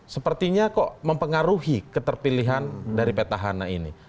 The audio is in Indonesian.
sepertinya kok mempengaruhi keterpilihan dari petahana ini